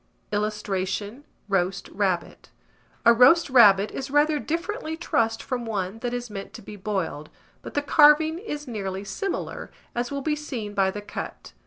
[Illustration: ROAST RABBIT.] A roast rabbit is rather differently trussed from one that is meant to be boiled; but the carving is nearly similar, as will be seen by the cut.